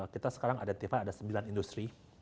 kita sekarang ada tifa ada sembilan industri